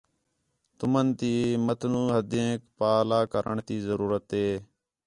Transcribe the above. تُمن تی متنوع حَدیک پاہلا کرݨ تی ضرورت ہِے